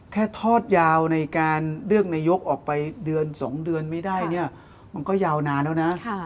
ทอดยาวในการเลือกนายกออกไปเดือน๒เดือนไม่ได้เนี่ยมันก็ยาวนานแล้วนะ